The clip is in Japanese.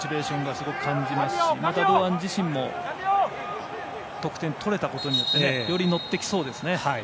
すごく感じますしまた、堂安自身も得点を取れたことによってより乗ってきそうですね。